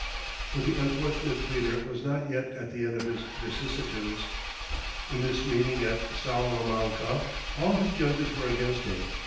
But the unfortunate pleader was not yet at the end of his vicissitudes. In this meeting at Salamanca all his judges were against him.